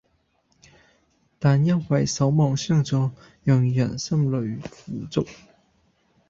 但因為守望相助讓人心裏富足